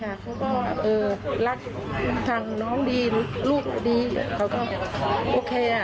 เขาก็เออรักทางน้องดีลูกดีเขาก็โอเคอ่ะ